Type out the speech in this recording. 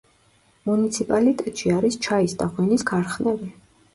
მუნიციპალიტეტში არის ჩაის და ღვინის ქარხნები.